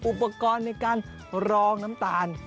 อุปกรณ์ในการรองน้ำตาล